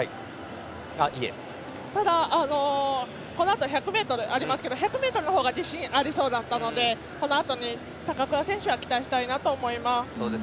ただ、このあと１００ｍがありますが１００ｍのほうが自信がありそうだったのでこのあとに高桑選手は期待したいと思います。